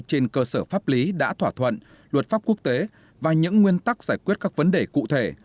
trên cơ sở pháp lý đã thỏa thuận luật pháp quốc tế và những nguyên tắc giải quyết các vấn đề cụ thể